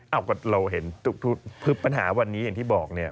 เอ้าก็เราเห็นปัญหาวันนี้อย่างที่บอกเนี่ย